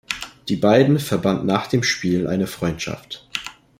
Die beiden verband nach dem Spiel eine Freundschaft.